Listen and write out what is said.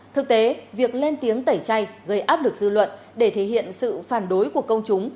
thực tế việc lên tiếng tẩy chay gây áp lực dư luận để thể hiện sự phản đối của công chúng